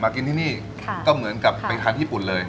กินที่นี่ก็เหมือนกับไปทานญี่ปุ่นเลย